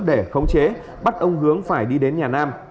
để khống chế bắt ông hướng phải đi đến nhà nam